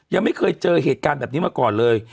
ยังไม่เคยเจอเหตุการณ์แบบนี้มาก่อนเลย